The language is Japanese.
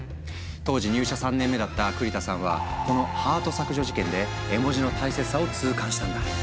当時入社３年目だった栗田さんはこのハート削除事件で絵文字の大切さを痛感したんだ。